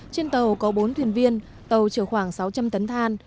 trên tàu có bốn thuyền viên tàu chở khoảng sáu trăm linh tấn than